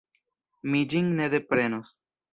Mi ĝin ne deprenos.